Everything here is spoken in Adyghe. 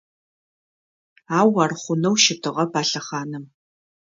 Ау ар хъунэу щытыгъэп а лъэхъаным…